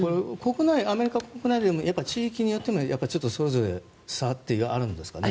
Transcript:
アメリカ国内でも地域によってもそれぞれ差があるんですかね？